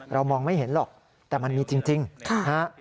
มองไม่เห็นหรอกแต่มันมีจริงนะฮะ